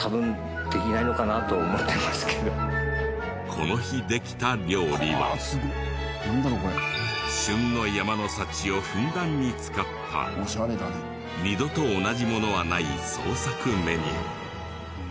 この日できた料理は旬の山の幸をふんだんに使った二度と同じものはない創作メニュー。